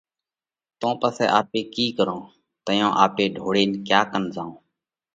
تو پسئہ آپي ڪِي ڪرونه؟ تئيون آپي ڍوڙينَ ڪيا ڪنَ زائونه؟